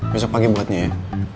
besok pagi buatnya ya